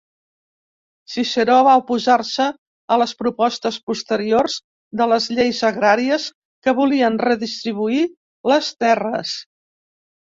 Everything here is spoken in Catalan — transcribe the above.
Ciceró va oposar-se a les propostes posteriors de les lleis agràries que volien redistribuir les terres.